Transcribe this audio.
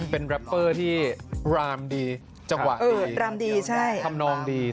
เป็นแรปเปอร์ที่รามดีจักหวะดีคำนองดี